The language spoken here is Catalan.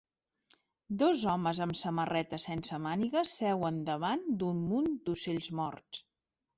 Dos homes amb samarreta sense mànigues seuen davant d'un munt d'ocells morts.